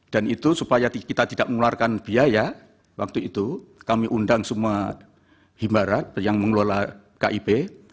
dan itu supaya kita tidak mengeluarkan biaya waktu itu kami undang semua himbarat yang mengelola kip